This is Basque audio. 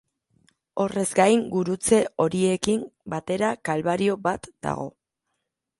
Horrez gain, gurutze horiekin batera kalbario bat dago.